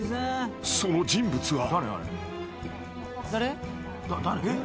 ［その人物は］